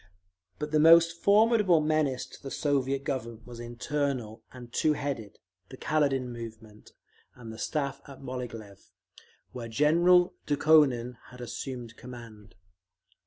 But the most formidable menace to the Soviet Government was internal and two headed—the Kaledin movement, and the Staff at Moghilev, where General Dukhonin had assumed command.